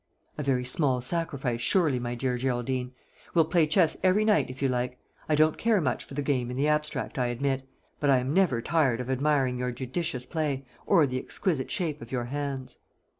"A very small sacrifice, surely, my dear Geraldine. We'll play chess every night, if you like. I don't care much for the game in the abstract, I admit; but I am never tired of admiring your judicious play, or the exquisite shape of your hands."